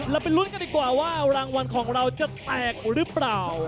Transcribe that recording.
ไปลุ้นกันดีกว่าว่ารางวัลของเราจะแตกหรือเปล่า